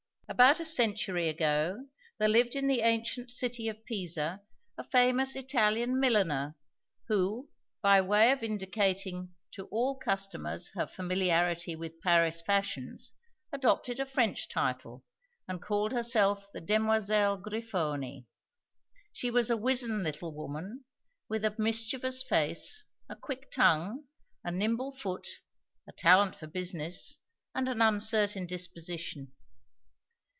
About a century ago, there lived in the ancient city of Pisa a famous Italian milliner, who, by way of vindicating to all customers her familiarity with Paris fashions, adopted a French title, and called herself the Demoiselle Grifoni. She was a wizen little woman with a mischievous face, a quick tongue, a nimble foot, a talent for business, and an uncertain disposition.